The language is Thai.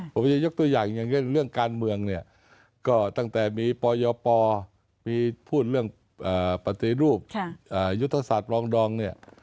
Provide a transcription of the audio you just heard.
ผมจะยกตัวอย่างอย่างเช่นเรื่องการเมืองเนี่ยก็ตั้งแต่มีปยปมีพูดเรื่องปฏิรูปยุทธศาสตร์ปรองดองเนี่ย